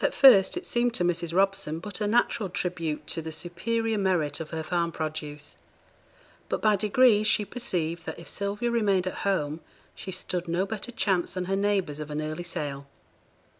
At first it seemed to Mrs. Robson but a natural tribute to the superior merit of her farm produce; but by degrees she perceived that if Sylvia remained at home, she stood no better chance than her neighbours of an early sale.